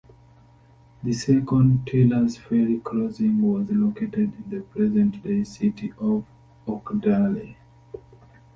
The second, Taylor's Ferry Crossing, was located in the present day city of Oakdale.